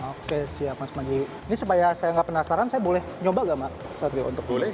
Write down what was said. oke siap mas panji ini supaya saya nggak penasaran saya boleh nyoba nggak mas satrio